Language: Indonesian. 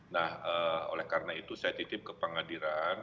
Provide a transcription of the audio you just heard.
nah oleh karena itu saya titip ke pengadilan